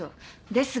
ですが